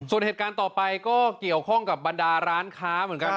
ส่วนเหตุการณ์ต่อไปก็เกี่ยวข้องกับบรรดาร้านค้าเหมือนกัน